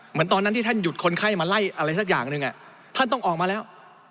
เหมือนตอนนั้นที่ท่านหยุดคนไข้มาไล่อะไรสักอย่างหนึ่งท่านต้องออกมาแล้ว